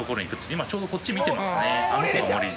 今、ちょうどこっち見てますね。